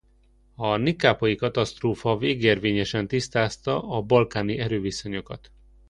A nikápolyi katasztrófa végérvényesen tisztázta a balkáni erőviszonyokat.